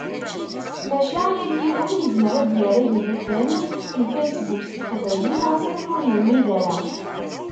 Maca, yal yiwen yezmer ad d-yerr agrudem n Facebook s teqbaylit ɣas akken ur imid ara.